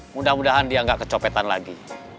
mudah mudahan dia nggak kecopetan lagi